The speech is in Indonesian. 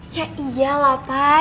ya iyalah pak